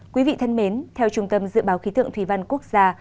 quý vị thân mến theo trung tâm dự báo khí tượng thủy văn quốc gia